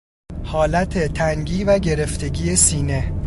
حالت تنگی و گرفتگی سینه